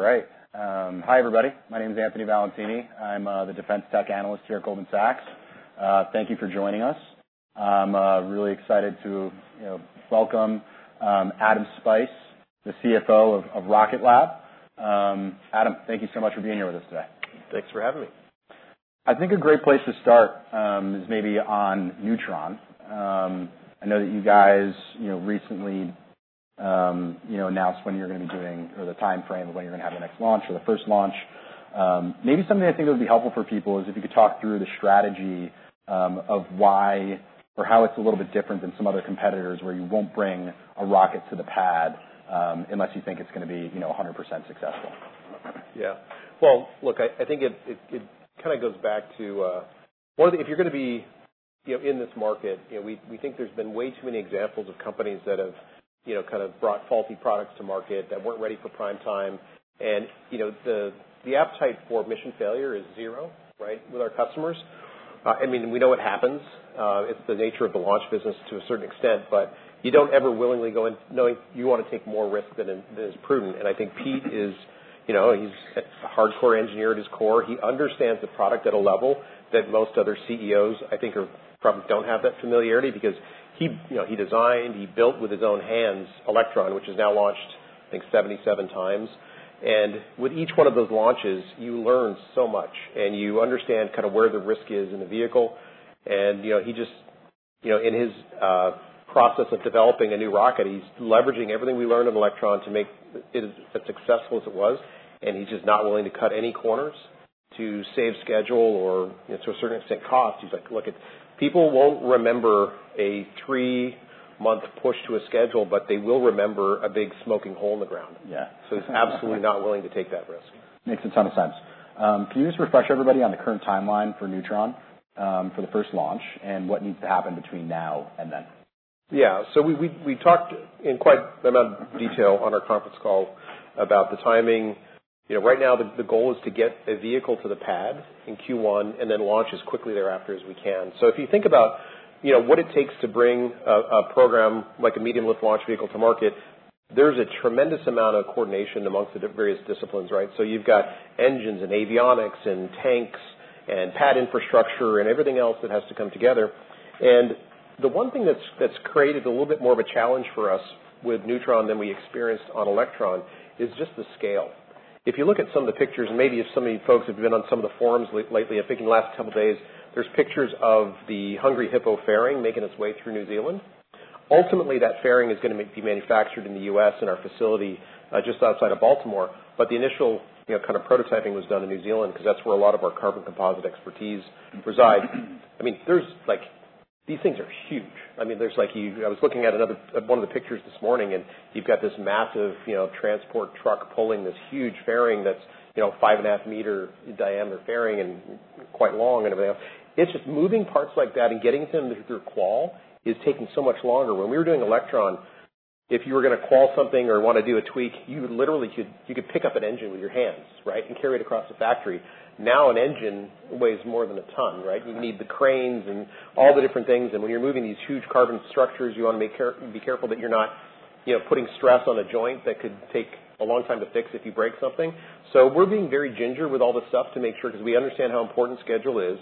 All right. Hi, everybody. My name is Anthony Valentini. I'm the defense tech analyst here at Goldman Sachs. Thank you for joining us. I'm really excited to, you know, welcome Adam Spice, the CFO of Rocket Lab. Adam, thank you so much for being here with us today. Thanks for having me. I think a great place to start is maybe on Neutron. I know that you guys, you know, recently, you know, announced when you're gonna be doing or the time frame of when you're gonna have the next launch or the first launch. Maybe something I think that would be helpful for people is if you could talk through the strategy of why or how it's a little bit different than some other competitors where you won't bring a rocket to the pad unless you think it's gonna be, you know, 100% successful. Yeah. Well, look, I think it kinda goes back to one of the if you're gonna be, you know, in this market, you know, we think there's been way too many examples of companies that have, you know, kind of brought faulty products to market that weren't ready for prime time. And, you know, the appetite for mission failure is zero, right, with our customers. I mean, we know it happens. It's the nature of the launch business to a certain extent, but you don't ever willingly go in knowing you wanna take more risk than is prudent. And I think Pete is, you know, he's a hardcore engineer at his core. He understands the product at a level that most other CEOs, I think, probably don't have that familiarity because he, you know, he designed, he built with his own hands Electron, which is now launched, I think, 77x. And with each one of those launches, you learn so much and you understand kinda where the risk is in the vehicle. And, you know, he just, you know, in his, process of developing a new rocket, he's leveraging everything we learned in Electron to make it as successful as it was. And he's just not willing to cut any corners to save schedule or, you know, to a certain extent cost. He's like, "Look, people won't remember a three-month push to a schedule, but they will remember a big smoking hole in the ground. Yeah. He's absolutely not willing to take that risk. Makes a ton of sense. Can you just refresh everybody on the current timeline for Neutron, for the first launch and what needs to happen between now and then? Yeah. So we talked in quite a lot of detail on our conference call about the timing. You know, right now, the goal is to get a vehicle to the pad in Q1 and then launch as quickly thereafter as we can. So if you think about, you know, what it takes to bring a program like a medium lift launch vehicle to market, there's a tremendous amount of coordination among the various disciplines, right? So you've got engines and avionics and tanks and pad infrastructure and everything else that has to come together. And the one thing that's created a little bit more of a challenge for us with Neutron than we experienced on Electron is just the scale. If you look at some of the pictures, and maybe if some of you folks have been on some of the forums lately, I'm thinking the last couple days, there's pictures of the Hungry Hippo fairing making its way through New Zealand. Ultimately, that fairing is gonna be manufactured in the US in our facility, just outside of Baltimore. But the initial, you know, kind of prototyping was done in New Zealand 'cause that's where a lot of our carbon composite expertise resides. I mean, there's like these things are huge. I mean, there's like, you know, I was looking at another one of the pictures this morning, and you've got this massive, you know, Transport truck pulling this huge fairing that's, you know, five and a half meter in diameter fairing and quite long and everything else. It's just moving parts like that and getting them through a qual is taking so much longer. When we were doing Electron, if you were gonna qual something or wanna do a tweak, you literally could pick up an engine with your hands, right, and carry it across the factory. Now an engine weighs more than a ton, right? You need the cranes and all the different things, and when you're moving these huge carbon structures, you wanna be careful that you're not, you know, putting stress on a joint that could take a long time to fix if you break something. So we're being very gingerly with all this stuff to make sure 'cause we understand how important schedule is.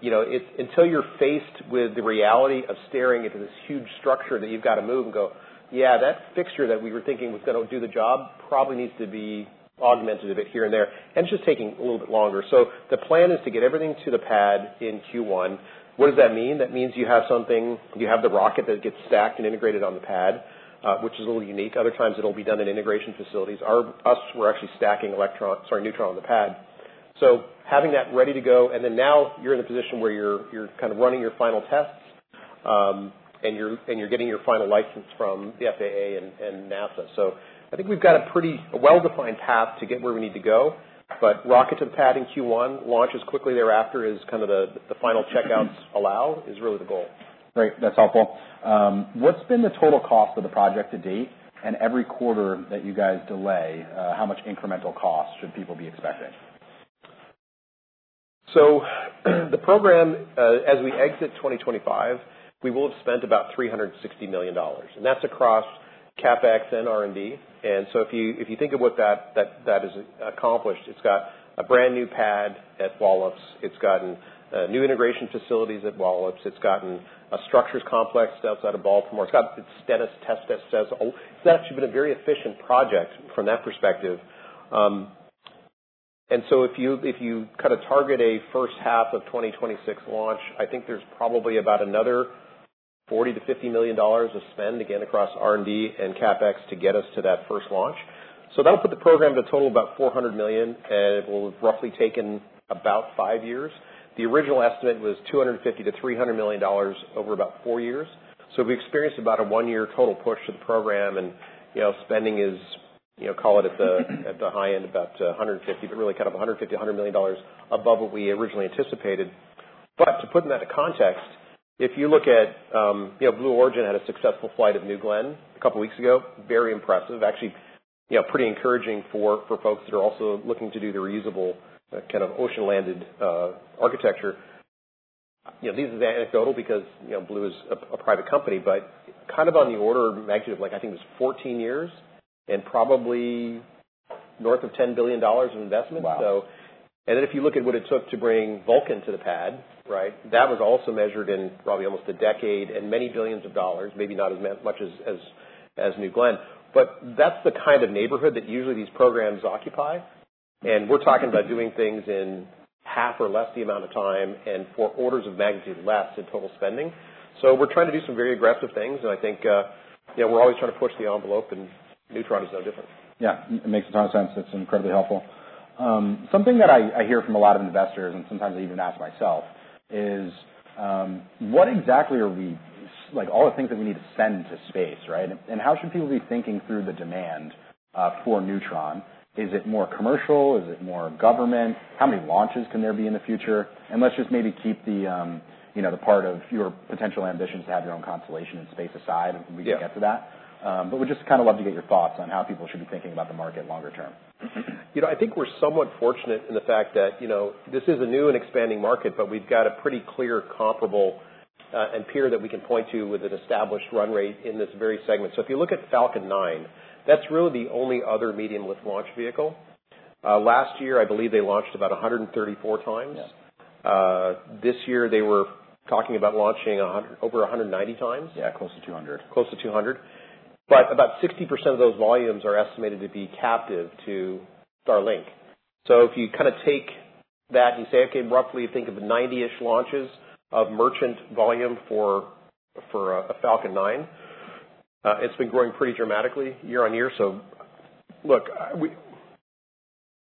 You know, it's until you're faced with the reality of staring into this huge structure that you've gotta move and go, "Yeah, that fixture that we were thinking was gonna do the job probably needs to be augmented a bit here and there," and it's just taking a little bit longer. The plan is to get everything to the pad in Q1. What does that mean? That means you have the rocket that gets stacked and integrated on the pad, which is a little unique. Other times, it'll be done in integration facilities. We're actually stacking Electron—sorry, Neutron—on the pad. So having that ready to go. Now you're in a position where you're kind of running your final tests, and you're getting your final license from the FAA and NASA. So I think we've got a pretty well-defined path to get where we need to go. But rocket to the pad in Q1, launch as quickly thereafter as kind of the final checkouts allow is really the goal. Great. That's helpful. What's been the total cost of the project to date? And every quarter that you guys delay, how much incremental cost should people be expecting? So the program, as we exit 2025, we will have spent about $360 million. And that's across CapEx and R&D. And so if you think of what that is accomplished, it's got a brand new pad at Wallops. It's gotten new integration facilities at Wallops. It's gotten a structures complex outside of Baltimore. It's got its static test that says it's actually been a very efficient project from that perspective. And so if you kinda target a first half of 2026 launch, I think there's probably about another $40 to 50 million of spend again across R&D and CapEx to get us to that first launch. So that'll put the program to a total of about $400 million, and it will have roughly taken about five years. The original estimate was $250 to 300 million over about four years. So we experienced about a one-year total push to the program. And, you know, spending is, you know, call it at the high end, about $150, but really kind of $100 million above what we originally anticipated. But to put that into context, if you look at, you know, Blue Origin had a successful flight of New Glenn a couple weeks ago. Very impressive. Actually, you know, pretty encouraging for folks that are also looking to do the reusable, kind of ocean-landed, architecture. You know, this is anecdotal because, you know, Blue Origin is a private company, but kind of on the order of magnitude of, like, I think it was 14 years and probably north of $10 billion of investment. Wow. And then if you look at what it took to bring Vulcan to the pad, right, that was also measured in probably almost a decade and many billions of dollars, maybe not as much as New Glenn. But that's the kind of neighborhood that usually these programs occupy. And we're talking about doing things in half or less the amount of time and for orders of magnitude less in total spending. So we're trying to do some very aggressive things. And I think, you know, we're always trying to push the envelope, and Neutron is no different. Yeah. It makes a ton of sense. It's incredibly helpful. Something that I hear from a lot of investors, and sometimes I even ask myself is, what exactly are we like, all the things that we need to send to space, right? And how should people be thinking through the demand for Neutron? Is it more commercial? Is it more government? How many launches can there be in the future? And let's just maybe keep the, you know, the part of your potential ambitions to have your own constellation in space aside. Yeah. We can get to that. But we'd just kinda love to get your thoughts on how people should be thinking about the market longer term. You know, I think we're somewhat fortunate in the fact that, you know, this is a new and expanding market, but we've got a pretty clear comparable, and peer that we can point to with an established run rate in this very segment. So if you look at Falcon 9, that's really the only other medium lift launch vehicle. Last year, I believe they launched about 134x. Yeah. This year, they were talking about launching a hundred over 190x. Yeah. Close to 200. Close to 200. But about 60% of those volumes are estimated to be captive to Starlink. So if you kinda take that and you say, "Okay, roughly think of 90-ish launches of merchant volume for Falcon 9," it's been growing pretty dramatically year on year. So look,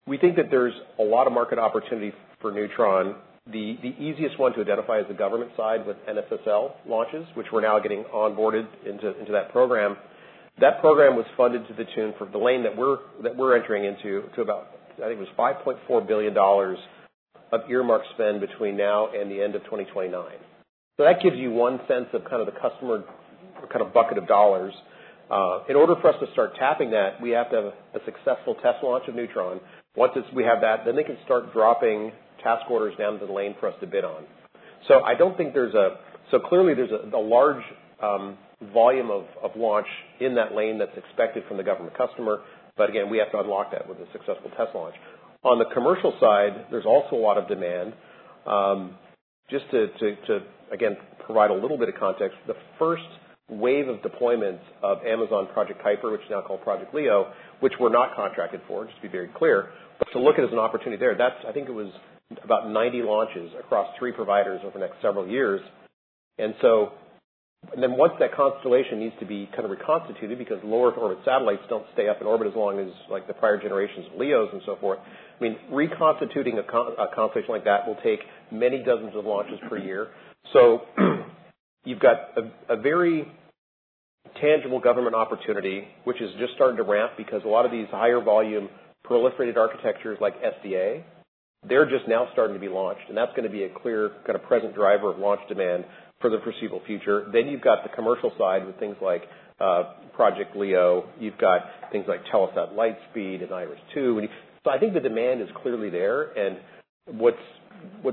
we think that there's a lot of market opportunity for Neutron. The easiest one to identify is the government side with NSSL launches, which we're now getting onboarded into that program. That program was funded to the tune for the lane that we're entering into to about, I think it was $5.4 billion of earmarked spend between now and the end of 2029. So that gives you one sense of kind of the customer kind of bucket of dollars. In order for us to start tapping that, we have to have a successful test launch of Neutron. Once we have that, then they can start dropping task orders down to the lane for us to bid on. So I don't think so. Clearly there's a large volume of launch in that lane that's expected from the government customer. But again, we have to unlock that with a successful test launch. On the commercial side, there's also a lot of demand. Just to again provide a little bit of context, the first wave of deployments of Amazon Project Kuiper, which is now called Project LEO, which we're not contracted for, just to be very clear, but to look at it as an opportunity there, that's I think it was about 90 launches across three providers over the next several years. And then once that constellation needs to be kinda reconstituted because low Earth orbit satellites don't stay up in orbit as long as, like, the prior generations of Leos and so forth, I mean, reconstituting a constellation like that will take many dozens of launches per year. So you've got a very tangible government opportunity, which is just starting to ramp because a lot of these higher volume proliferated architectures like SDA, they're just now starting to be launched. And that's gonna be a clear kinda present driver of launch demand for the foreseeable future. Then you've got the commercial side with things like Project LEO. You've got things like Telesat Lightspeed and IRIS². So I think the demand is clearly there. And what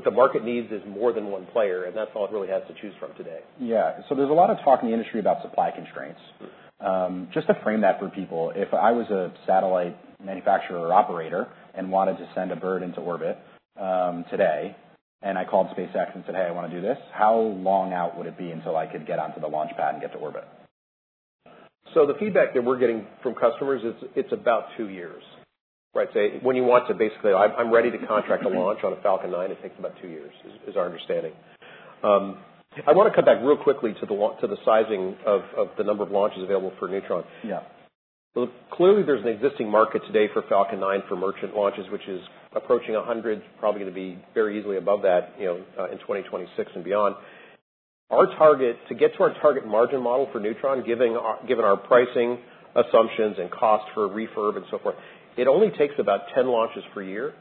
the market needs is more than one player. And that's all it really has to choose from today. Yeah. So there's a lot of talk in the industry about supply constraints. Just to frame that for people, if I was a satellite manufacturer or operator and wanted to send a bird into orbit, today, and I called SpaceX and said, "Hey, I wanna do this," how long out would it be until I could get onto the launch pad and get to orbit? So the feedback that we're getting from customers is it's about two years, right? Say when you want to basically, I'm ready to contract a launch on a Falcon 9. It takes about two years is our understanding. I wanna come back real quickly to the sizing of the number of launches available for Neutron. Yeah. Clearly there's an existing market today for Falcon 9 for merchant launches, which is approaching 100, probably gonna be very easily above that, you know, in 2026 and beyond. Our target to get to our target margin model for Neutron, given our pricing assumptions and cost for refurb and so forth, it only takes about 10 launches per year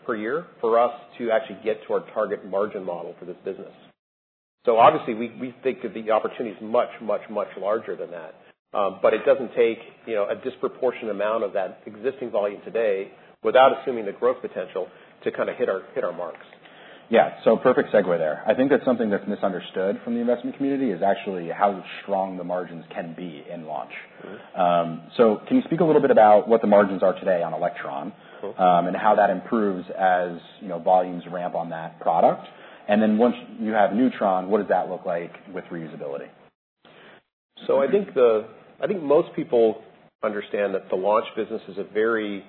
for us to actually get to our target margin model for this business. Obviously, we think that the opportunity is much, much, much larger than that, but it doesn't take, you know, a disproportionate amount of that existing volume today without assuming the growth potential to kinda hit our marks. Yeah. So perfect segue there. I think that's something that's misunderstood from the investment community is actually how strong the margins can be in launch. So can you speak a little bit about what the margins are today on Electron, and how that improves as, you know, volumes ramp on that product? And then once you have Neutron, what does that look like with reusability? I think most people understand that the launch business is a very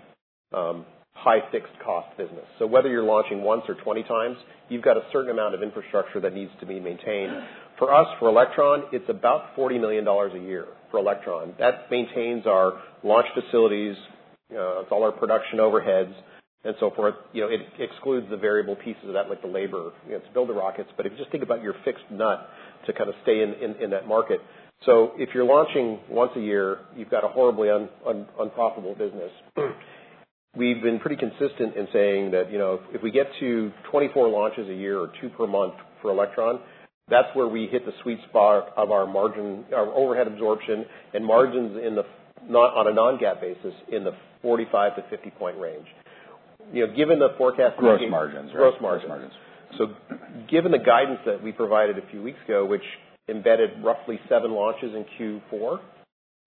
high fixed cost business. So whether you're launching once or 20 times, you've got a certain amount of infrastructure that needs to be maintained. For us, for Electron, it's about $40 million a year for Electron. That maintains our launch facilities, it's all our production overheads and so forth. You know, it excludes the variable pieces of that, like the labor, you know, to build the rockets. But if you just think about your fixed nut to kinda stay in that market. So if you're launching once a year, you've got a horribly unprofitable business. We've been pretty consistent in saying that, you know, if we get to 24 launches a year or two per month for Electron, that's where we hit the sweet spot of our margin, our overhead absorption, and margins on a non-GAAP basis in the 45-50 point range. You know, given the forecast. Gross margins, right? Gross margins. Gross margins. So given the guidance that we provided a few weeks ago, which embedded roughly seven launches in Q4,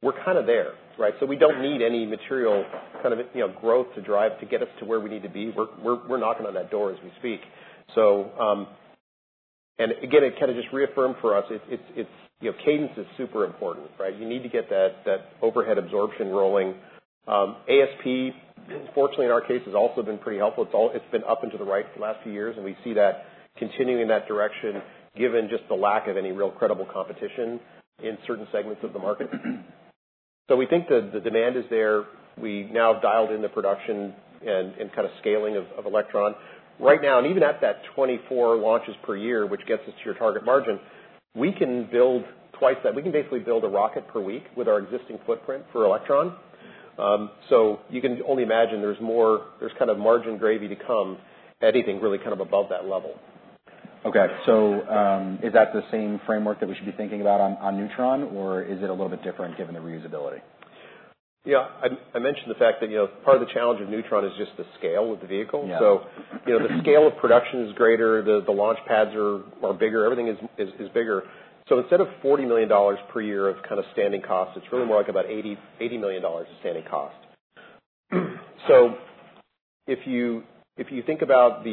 we're kinda there, right? So we don't need any material kind of, you know, growth to drive to get us to where we need to be. We're knocking on that door as we speak. So, and again, it kinda just reaffirmed for us, it's, you know, cadence is super important, right? You need to get that overhead absorption rolling. ASP, fortunately, in our case, has also been pretty helpful. It's all it's been up and to the right the last few years. And we see that continuing in that direction given just the lack of any real credible competition in certain segments of the market. So we think the demand is there. We now have dialed in the production and kinda scaling of Electron. Right now, and even at that 24 launches per year, which gets us to your target margin, we can build twice that. We can basically build a rocket per week with our existing footprint for Electron. So you can only imagine there's more, there's kind of margin gravy to come at anything really kind of above that level. Okay, so, is that the same framework that we should be thinking about on Neutron, or is it a little bit different given the reusability? Yeah. I mentioned the fact that, you know, part of the challenge of Neutron is just the scale of the vehicle. Yeah. So, you know, the scale of production is greater. The launch pads are bigger. Everything is bigger. So instead of $40 million per year of kinda standing cost, it's really more like about $80 million of standing cost. So if you think about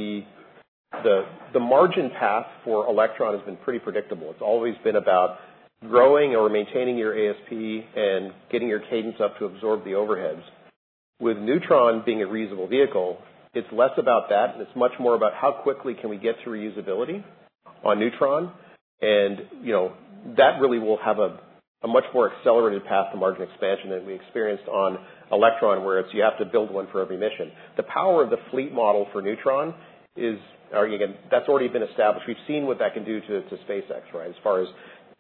the margin path for Electron has been pretty predictable. It's always been about growing or maintaining your ASP and getting your cadence up to absorb the overheads. With Neutron being a reusable vehicle, it's less about that. It's much more about how quickly can we get to reusability on Neutron. And, you know, that really will have a much more accelerated path to margin expansion than we experienced on Electron, where it's you have to build one for every mission. The power of the fleet model for Neutron is or again, that's already been established. We've seen what that can do to SpaceX, right, as far as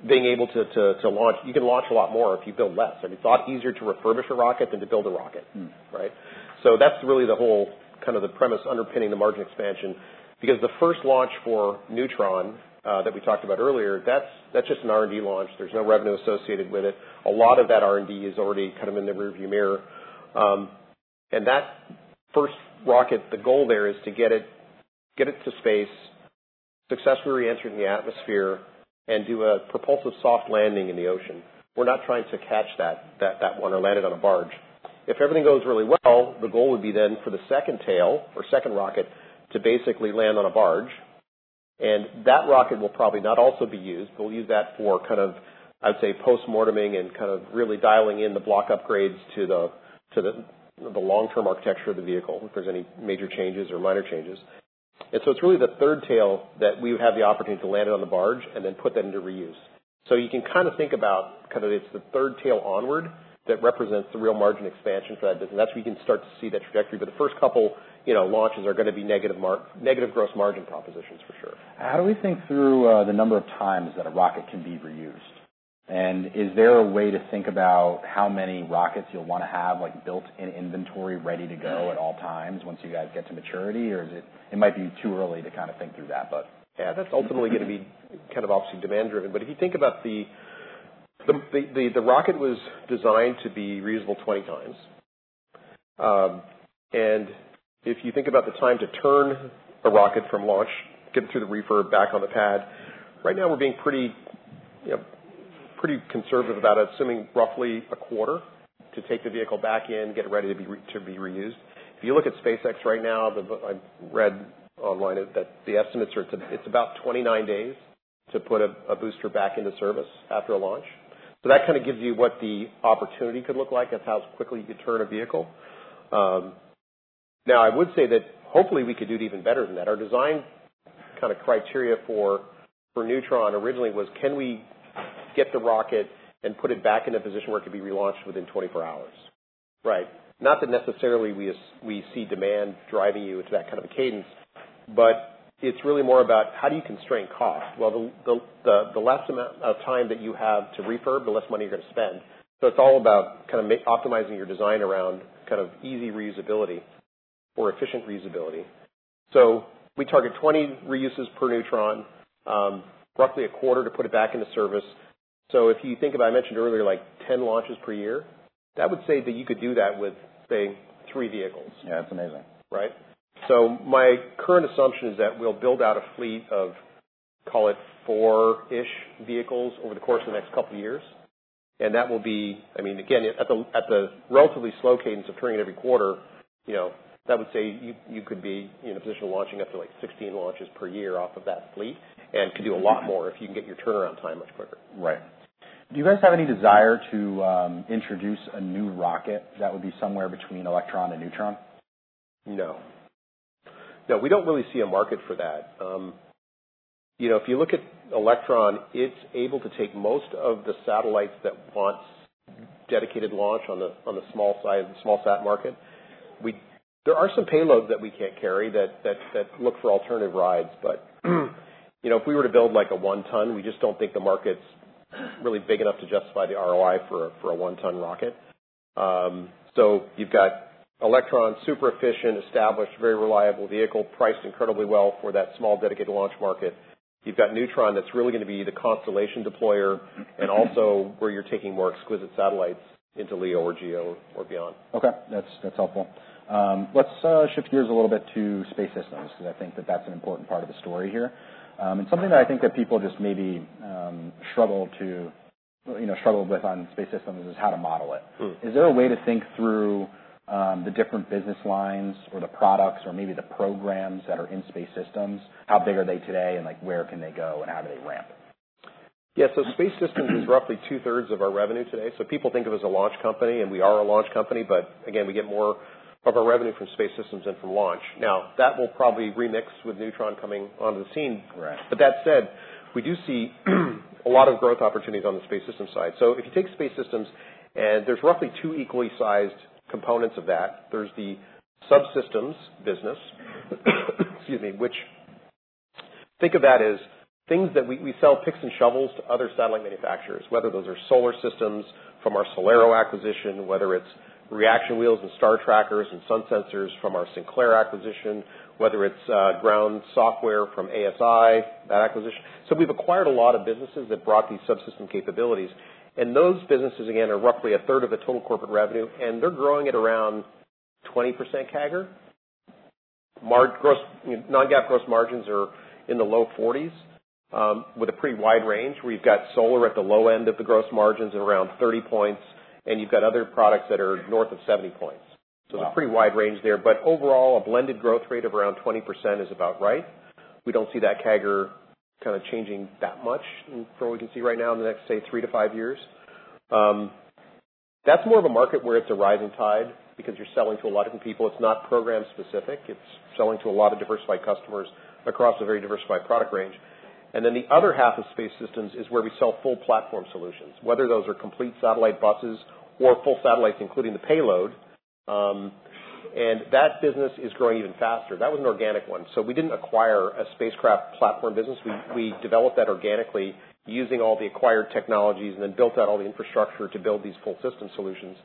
being able to launch. You can launch a lot more if you build less. I mean, it's a lot easier to refurbish a rocket than to build a rocket, right? So that's really the whole kind of the premise underpinning the margin expansion because the first launch for Neutron, that we talked about earlier, that's just an R&D launch. There's no revenue associated with it. A lot of that R&D is already kind of in the rearview mirror, and that first rocket, the goal there is to get it to space, successfully re-enter the atmosphere, and do a propulsive soft landing in the ocean. We're not trying to catch that one or land it on a barge. If everything goes really well, the goal would be then for the second tail or second rocket to basically land on a barge. And that rocket will probably not also be used. We'll use that for kind of, I would say, post-morteming and kind of really dialing in the block upgrades to the, the long-term architecture of the vehicle if there's any major changes or minor changes. And so it's really the third tail that we would have the opportunity to land it on the barge and then put that into reuse. So you can kinda think about kinda it's the third tail onward that represents the real margin expansion for that business. That's where you can start to see that trajectory. But the first couple, you know, launches are gonna be negative gross margin propositions for sure. How do we think through the number of times that a rocket can be reused? And is there a way to think about how many rockets you'll wanna have, like, built in inventory ready to go at all times once you guys get to maturity, or is it might be too early to kinda think through that, but? Yeah. That's ultimately gonna be kind of obviously demand-driven. But if you think about the rocket was designed to be reusable 20x, and if you think about the time to turn a rocket from launch, get it through the refurb, back on the pad, right now we're being pretty, you know, pretty conservative about assuming roughly a quarter to take the vehicle back in, get it ready to be reused. If you look at SpaceX right now, I read online that the estimates are it's about 29 days to put a booster back into service after a launch. So that kinda gives you what the opportunity could look like. That's how quickly you could turn a vehicle. Now, I would say that hopefully we could do it even better than that. Our design kinda criteria for Neutron originally was, can we get the rocket and put it back in a position where it could be relaunched within 24 hours, right? Not that necessarily we as we see demand driving you into that kind of a cadence, but it's really more about how do you constrain cost? Well, the less amount of time that you have to refurb, the less money you're gonna spend. So it's all about kinda ma optimizing your design around kind of easy reusability or efficient reusability. So we target 20 reuses per Neutron, roughly a quarter to put it back into service. So if you think about I mentioned earlier, like, 10 launches per year, that would say that you could do that with, say, three vehicles. Yeah. That's amazing. Right? So my current assumption is that we'll build out a fleet of, call it, four-ish vehicles over the course of the next couple of years, and that will be, I mean, again, at the relatively slow cadence of turning it every quarter, you know, that would say you could be, you know, in a position of launching up to, like, 16 launches per year off of that fleet and could do a lot more if you can get your turnaround time much quicker. Right. Do you guys have any desire to introduce a new rocket that would be somewhere between Electron and Neutron? No. No. We don't really see a market for that. You know, if you look at Electron, it's able to take most of the satellites that want dedicated launch on the small size small sat market. There are some payloads that we can't carry that look for alternative rides. But, you know, if we were to build, like, a one-ton, we just don't think the market's really big enough to justify the ROI for a one-ton rocket. So you've got Electron, super efficient, established, very reliable vehicle, priced incredibly well for that small dedicated launch market. You've got Neutron that's really gonna be the constellation deployer and also where you're taking more exquisite satellites into LEO or GEO or beyond. Okay. That's helpful. Let's shift gears a little bit to Space Systems because I think that's an important part of the story here, and something that I think that people just maybe struggle to you know with on Space Systems is how to model it. Is there a way to think through the different business lines or the products or maybe the programs that are in Space Systems? How big are they today and, like, where can they go and how do they ramp? Yeah. So Space Systems is roughly two-thirds of our revenue today. So people think of us as a launch company, and we are a launch company. But again, we get more of our revenue from Space Systems than from launch. Now, that will probably remix with Neutron coming onto the scene. Right. But that said, we do see a lot of growth opportunities on the Space Systems side. So if you take Space Systems and there's roughly two equally sized components of that. There's the subsystems business, excuse me, which think of that as things that we sell picks and shovels to other satellite manufacturers, whether those are solar systems from our SolAero acquisition, whether it's reaction wheels and star trackers and sun sensors from our Sinclair acquisition, whether it's ground software from ASI, that acquisition. So we've acquired a lot of businesses that brought these subsystem capabilities. And those businesses, again, are roughly a third of the total corporate revenue, and they're growing at around 20% CAGR. Our gross, you know, non-GAAP gross margins are in the low 40s, with a pretty wide range where you've got solar at the low end of the gross margins at around 30 points, and you've got other products that are north of 70 points. Okay. So it's a pretty wide range there. But overall, a blended growth rate of around 20% is about right. We don't see that CAGR kinda changing that much from what we can see right now in the next, say, three to five years. That's more of a market where it's a rising tide because you're selling to a lot of different people. It's not program-specific. It's selling to a lot of diversified customers across a very diversified product range. And then the other half of Space Systems is where we sell full platform solutions, whether those are complete satellite buses or full satellites, including the payload. And that business is growing even faster. That was an organic one. So we didn't acquire a spacecraft platform business. We developed that organically using all the acquired technologies and then built out all the infrastructure to build these full system solutions.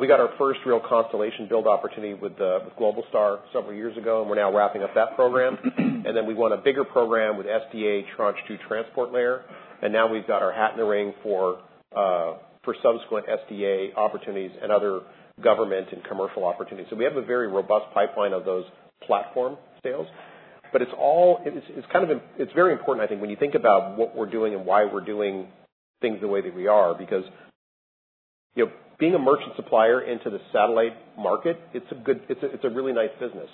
We got our first real constellation build opportunity with Globalstar several years ago, and we're now wrapping up that program. And then we won a bigger program with SDA Tranche 2 Transport Layer. And now we've got our hat in the ring for subsequent SDA opportunities and other government and commercial opportunities. So we have a very robust pipeline of those platform sales. But it's all, it's kind of very important, I think, when you think about what we're doing and why we're doing things the way that we are because, you know, being a merchant supplier into the satellite market, it's a good, it's a really nice business.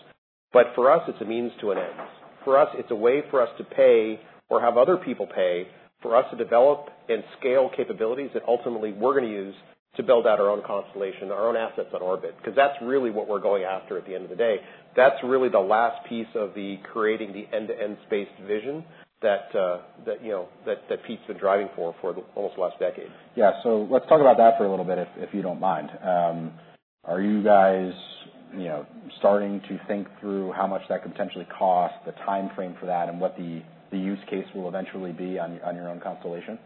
But for us, it's a means to an end. For us, it's a way for us to pay or have other people pay for us to develop and scale capabilities that ultimately we're gonna use to build out our own constellation, our own assets on orbit because that's really what we're going after at the end of the day. That's really the last piece of the creating the end-to-end space division that, you know, that Pete's been driving for the almost last decade. Yeah. So let's talk about that for a little bit, if you don't mind. Are you guys, you know, starting to think through how much that could potentially cost, the timeframe for that, and what the use case will eventually be on your own constellation?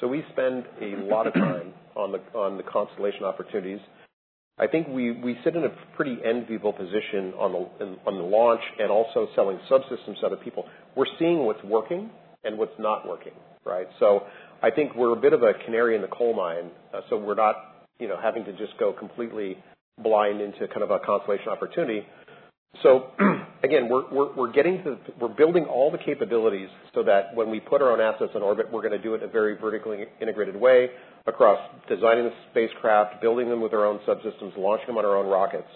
So we spend a lot of time on the constellation opportunities. I think we sit in a pretty enviable position on the launch and also selling subsystems to other people. We're seeing what's working and what's not working, right? So I think we're a bit of a canary in the coal mine. So we're not, you know, having to just go completely blind into kind of a constellation opportunity. So again, we're getting to where we're building all the capabilities so that when we put our own assets in orbit, we're gonna do it in a very vertically integrated way across designing the spacecraft, building them with our own subsystems, launching them on our own rockets,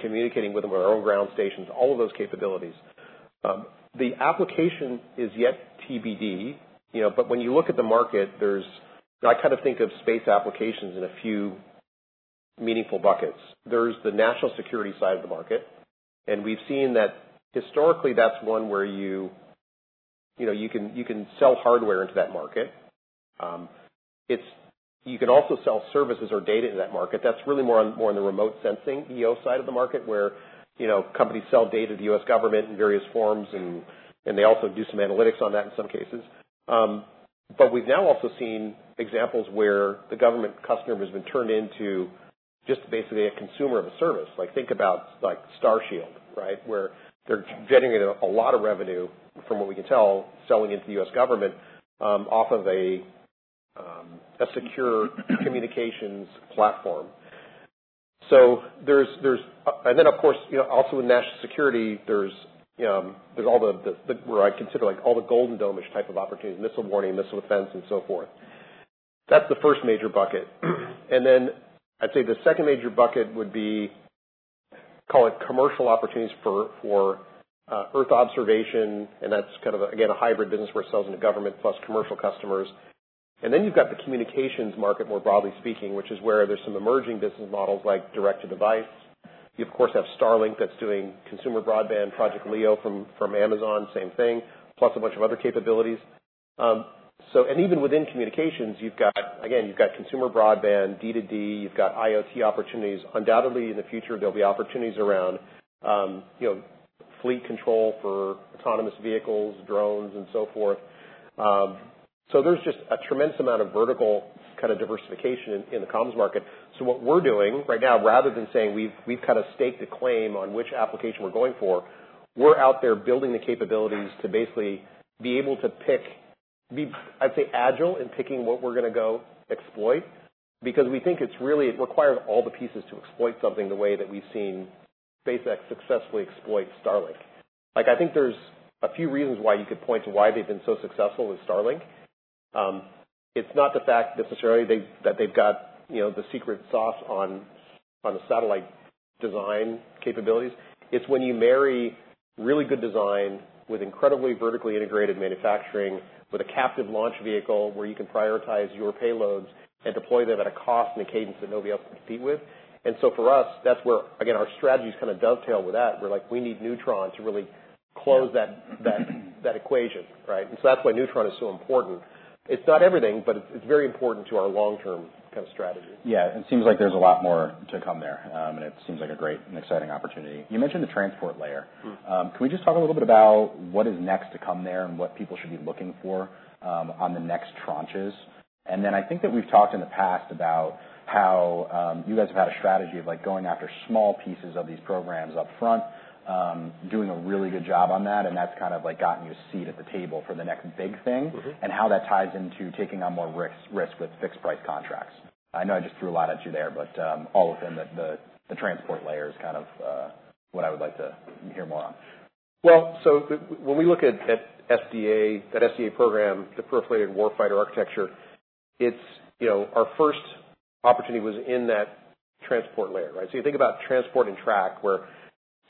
communicating with them with our own ground stations, all of those capabilities. The application is yet TBD, you know, but when you look at the market, there's, I kind of think of space applications in a few meaningful buckets. There's the national security side of the market, and we've seen that historically that's one where you, you know, you can sell hardware into that market. It's you can also sell services or data to that market. That's really more on the remote sensing EO side of the market where, you know, companies sell data to the US government in various forms, and they also do some analytics on that in some cases. But we've now also seen examples where the government customer has been turned into just basically a consumer of a service. Like, think about, like, Starshield, right, where they're generating a lot of revenue from what we can tell selling into the US government, off of a secure communications platform. So there's and then, of course, you know, also with national security, there's all the where I consider, like, all the Golden Domes type of opportunities, missile warning, missile defense, and so forth. That's the first major bucket. And then I'd say the second major bucket would be call it commercial opportunities for Earth Observation, and that's kind of, again, a hybrid business where it sells into government plus commercial customers. And then you've got the communications market more broadly speaking, which is where there's some emerging business models like direct-to-device. You, of course, have Starlink that's doing consumer broadband, Project LEO from Amazon, same thing, plus a bunch of other capabilities. So and even within communications, you've got again, you've got consumer broadband, D-to-D, you've got IoT opportunities. Undoubtedly, in the future, there'll be opportunities around, you know, fleet control for autonomous vehicles, drones, and so forth. So there's just a tremendous amount of vertical kinda diversification in the comms market. So what we're doing right now, rather than saying we've kinda staked a claim on which application we're going for, we're out there building the capabilities to basically be able to pick. Be, I'd say, agile in picking what we're gonna go exploit because we think it's really requires all the pieces to exploit something the way that we've seen SpaceX successfully exploit Starlink. Like, I think there's a few reasons why you could point to why they've been so successful with Starlink. It's not the fact necessarily they that they've got, you know, the secret sauce on, on the satellite design capabilities. It's when you marry really good design with incredibly vertically integrated manufacturing with a captive launch vehicle where you can prioritize your payloads and deploy them at a cost and a cadence that nobody else can compete with. And so for us, that's where, again, our strategy's kinda dovetail with that. We're like, we need Neutron to really close that, that, that equation, right? And so that's why Neutron is so important. It's not everything, but it's, it's very important to our long-term kinda strategy. Yeah. It seems like there's a lot more to come there, and it seems like a great and exciting opportunity. You mentioned the Transport Layer. Can we just talk a little bit about what is next to come there and what people should be looking for, on the next tranches? And then I think that we've talked in the past about how, you guys have had a strategy of, like, going after small pieces of these programs upfront, doing a really good job on that, and that's kind of, like, gotten you a seat at the table for the next big thing. Mm-hmm. And how that ties into taking on more risks, risks with fixed-price contracts. I know I just threw a lot at you there, but all within the Transport Layer is kind of what I would like to hear more on. When we look at SDA, that SDA program, the proliferated warfighter architecture, it's, you know, our first opportunity was in that Transport Layer, right? So you think about Transport and Track where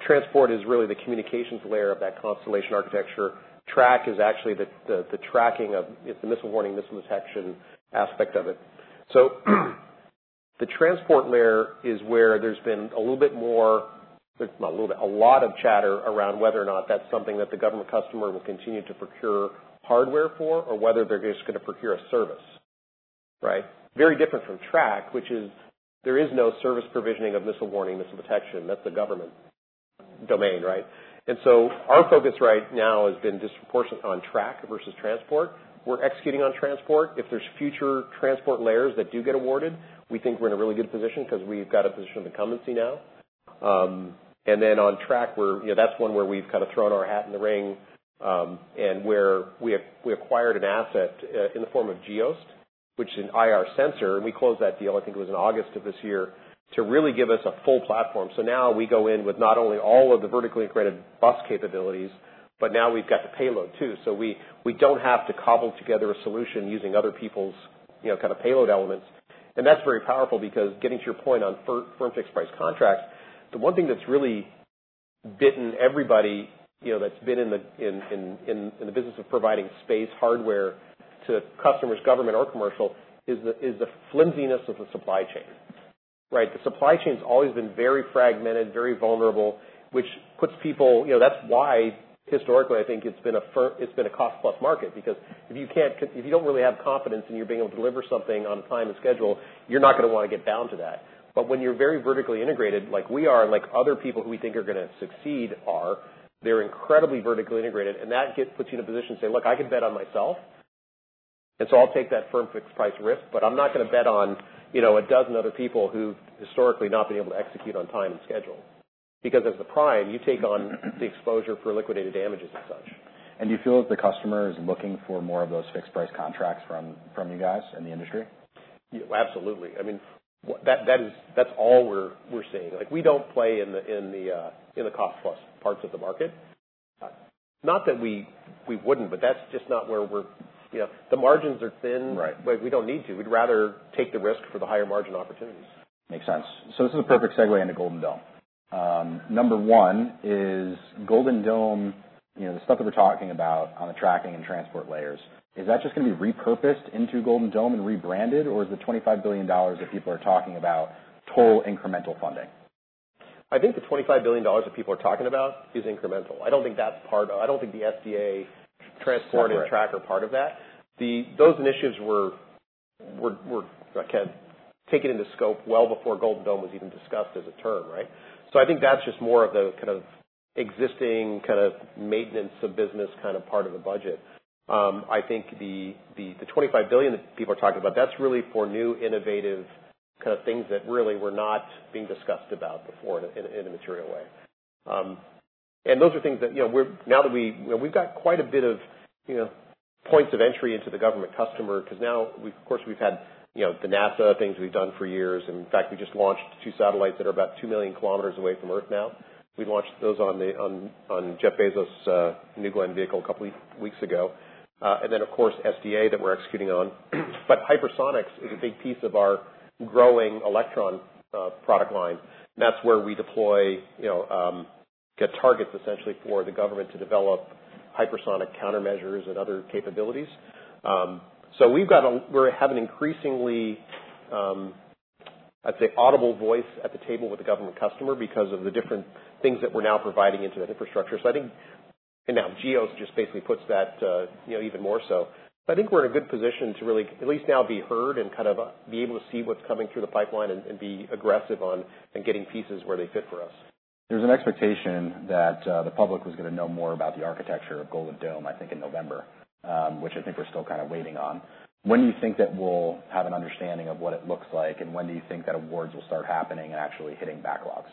Transport is really the communications layer of that constellation architecture. Track is actually the tracking of the missile warning, missile detection aspect of it. So the Transport Layer is where there's been a little bit, a lot of chatter around whether or not that's something that the government customer will continue to procure hardware for or whether they're just gonna procure a service, right? Very different from Track, which is, there is no service provisioning of missile warning, missile detection. That's the government domain, right? And so our focus right now has been disproportionate on Track versus Transport. We're executing on Transport. If there's future Transport Layers that do get awarded, we think we're in a really good position because we've got a position of incumbency now. And then on Tranche, we're you know, that's one where we've kinda thrown our hat in the ring, and where we acquired an asset, in the form of Geost, which is an IR sensor. And we closed that deal, I think it was in August of this year, to really give us a full platform. So now we go in with not only all of the vertically integrated bus capabilities, but now we've got the payload too. So we, we don't have to cobble together a solution using other people's, you know, kinda payload elements. And that's very powerful because getting to your point on firm fixed-price contracts, the one thing that's really bitten everybody, you know, that's been in the business of providing space hardware to customers, government or commercial, is the flimsiness of the supply chain, right? The supply chain's always been very fragmented, very vulnerable, which puts people you know, that's why historically, I think it's been a cost-plus market because if you don't really have confidence in you're being able to deliver something on time and schedule, you're not gonna wanna get bound to that. But when you're very vertically integrated, like we are and like other people who we think are gonna succeed are, they're incredibly vertically integrated. That puts you in a position to say, "Look, I can bet on myself, and so I'll take that firm fixed-price risk, but I'm not gonna bet on, you know, a dozen other people who've historically not been able to execute on time and schedule," because as the prime, you take on the exposure for liquidated damages and such. Do you feel that the customer is looking for more of those fixed-price contracts from you guys in the industry? Yeah, absolutely. I mean, that is that's all we're seeing. Like, we don't play in the cost-plus parts of the market. Not that we wouldn't, but that's just not where we're, you know, the margins are thin. Right. But we don't need to. We'd rather take the risk for the higher margin opportunities. Makes sense. So this is a perfect segue into Golden Dome. Number one is Golden Dome, you know, the stuff that we're talking about on the tracking and Transport Layers, is that just gonna be repurposed into Golden Dome and rebranded, or is the $25 billion that people are talking about total incremental funding? I think the $25 billion that people are talking about is incremental. I don't think that's part of. I don't think the SDA Transport and Track are part of that. Those initiatives were kind of taken into scope well before Golden Dome was even discussed as a term, right? So I think that's just more of the kind of existing kind of maintenance of business kind of part of the budget. I think the $25 billion that people are talking about, that's really for new innovative kinda things that really were not being discussed about before in a material way. Those are things that, you know, we're now, you know, we've got quite a bit of, you know, points of entry into the government customer because now we've, of course, had, you know, the NASA things we've done for years. In fact, we just launched two satellites that are about 2 million kilometers away from Earth now. We launched those on Jeff Bezos' New Glenn vehicle a couple of weeks ago. And then, of course, SDA that we're executing on. But hypersonics is a big piece of our growing Electron product line. That's where we deploy, you know, get targets essentially for the government to develop hypersonic countermeasures and other capabilities. So we've got, we're having increasingly, I'd say audible voice at the table with the government customer because of the different things that we're now providing into that infrastructure. So I think, and now Geost just basically puts that, you know, even more so. So I think we're in a good position to really at least now be heard and kind of be able to see what's coming through the pipeline and be aggressive on getting pieces where they fit for us. There's an expectation that the public was gonna know more about the architecture of Golden Dome, I think, in November, which I think we're still kinda waiting on. When do you think that we'll have an understanding of what it looks like, and when do you think that awards will start happening and actually hitting backlogs?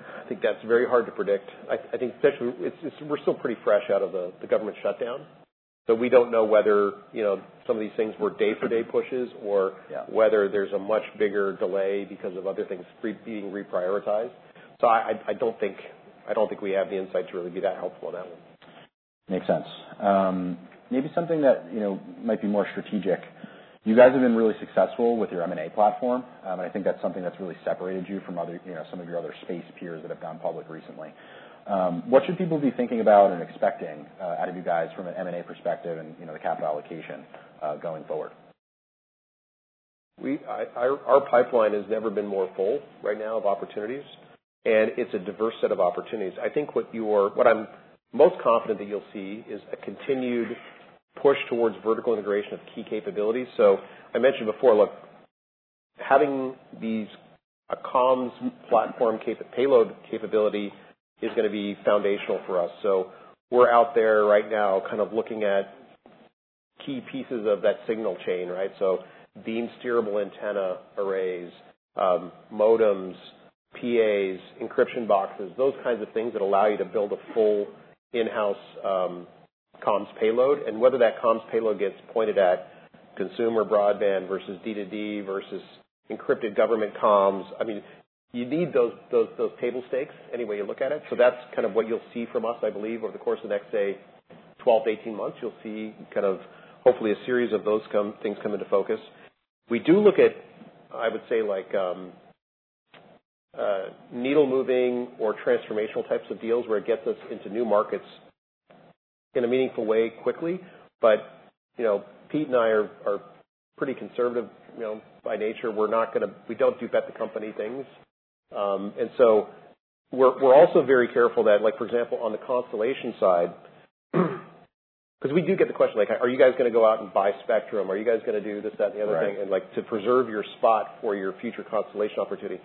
I think that's very hard to predict. I think especially it's we're still pretty fresh out of the government shutdown, so we don't know whether, you know, some of these things were day-for-day pushes or. Yeah. Whether there's a much bigger delay because of other things being reprioritized. So I don't think we have the insight to really be that helpful on that one. Makes sense. Maybe something that, you know, might be more strategic. You guys have been really successful with your M&A platform, and I think that's something that's really separated you from other, you know, some of your other space peers that have gone public recently. What should people be thinking about and expecting, out of you guys from an M&A perspective and, you know, the capital allocation, going forward? Well, I, our pipeline has never been more full right now of opportunities, and it's a diverse set of opportunities. I think what I'm most confident that you'll see is a continued push towards vertical integration of key capabilities. So I mentioned before, look, having a comms platform and payload capability is gonna be foundational for us. So we're out there right now kind of looking at key pieces of that signal chain, right? So beam steerable antenna arrays, modems, PAs, encryption boxes, those kinds of things that allow you to build a full in-house comms payload. And whether that comms payload gets pointed at consumer broadband versus D-to-D versus encrypted government comms, I mean, you need those table stakes any way you look at it. So that's kind of what you'll see from us, I believe, over the course of the next, say, 12 to 18 months. You'll see kind of hopefully a series of those things come into focus. We do look at, I would say, like, needle-moving or transformational types of deals where it gets us into new markets in a meaningful way quickly. But, you know, Pete and I are pretty conservative, you know, by nature. We're not gonna do bet-the-company things. And so we're also very careful that, like, for example, on the constellation side because we do get the question, like, are you guys gonna go out and buy Spectrum? Are you guys gonna do this, that, and the other thing? Right. Like, to preserve your spot for your future constellation opportunity?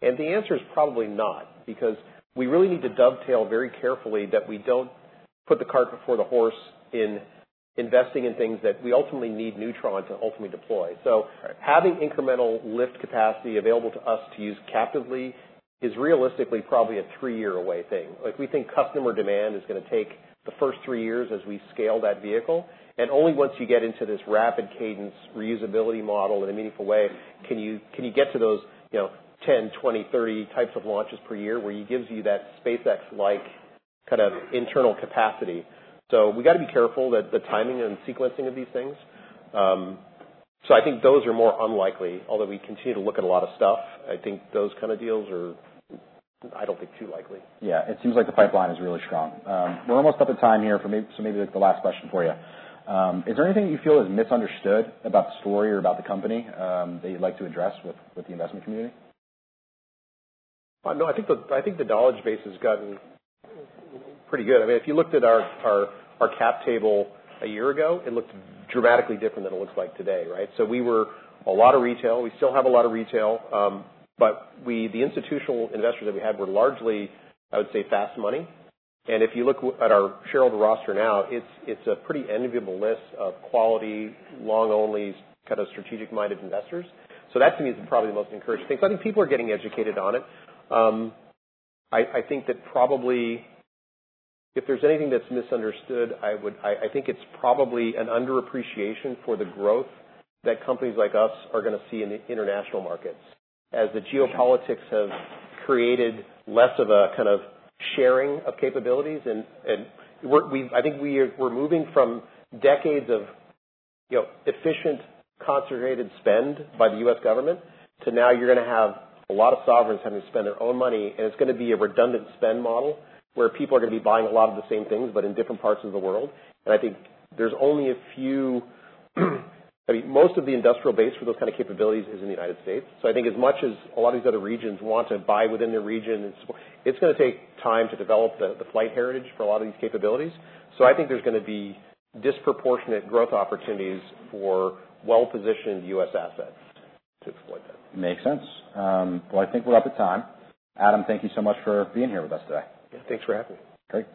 The answer is probably not because we really need to dovetail very carefully that we don't put the cart before the horse in investing in things that we ultimately need Neutron to ultimately deploy. So. Right. Having incremental lift capacity available to us to use captively is realistically probably a three-year away thing. Like, we think customer demand is gonna take the first three years as we scale that vehicle. And only once you get into this rapid cadence reusability model in a meaningful way can you get to those, you know, 10, 20, 30 types of launches per year where you gives you that SpaceX-like kind of internal capacity, so we gotta be careful that the timing and sequencing of these things, so I think those are more unlikely, although we continue to look at a lot of stuff. I think those kinda deals are. I don't think too likely. Yeah. It seems like the pipeline is really strong. We're almost at the time here for maybe, like, the last question for you. Is there anything that you feel is misunderstood about the story or about the company, that you'd like to address with the investment community? No, I think the knowledge base has gotten pretty good. I mean, if you looked at our cap table a year ago, it looked dramatically different than it looks like today, right? So we were a lot of retail. We still have a lot of retail, but the institutional investors that we had were largely, I would say, fast money. And if you look at our shareholder roster now, it's a pretty enviable list of quality, long-only kinda strategic-minded investors. So that, to me, is probably the most encouraging thing. So I think people are getting educated on it. I think that probably if there's anything that's misunderstood, I think it's probably an underappreciation for the growth that companies like us are gonna see in the international markets as the geopolitics have created less of a kind of sharing of capabilities. And we're moving from decades of, you know, efficient concentrated spend by the US government to now you're gonna have a lot of sovereigns having to spend their own money, and it's gonna be a redundant spend model where people are gonna be buying a lot of the same things but in different parts of the world. And I think there's only a few. I mean, most of the industrial base for those kinda capabilities is in the United States. So I think as much as a lot of these other regions want to buy within their region, it's gonna take time to develop the flight heritage for a lot of these capabilities. So I think there's gonna be disproportionate growth opportunities for well-positioned US assets to exploit that. Makes sense. Well, I think we're up at time. Adam, thank you so much for being here with us today. Yeah, thanks for having me. Great.